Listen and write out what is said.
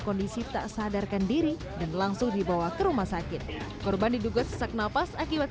kondisi tak sadarkan diri dan langsung dibawa ke rumah sakit korban diduga sesak nafas akibat